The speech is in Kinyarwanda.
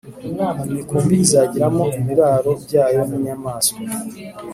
Imikumbi izagiramo ibiraro byayo n inyamaswa